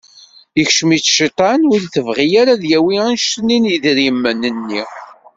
Ikcem-itt cciṭan, ur tebɣi ara ad yawwi anect n yedrimen-nni.